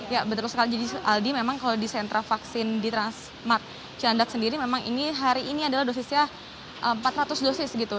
ya betul sekali jadi aldi memang kalau di sentra vaksin di transmart cilandak sendiri memang ini hari ini adalah dosisnya empat ratus dosis gitu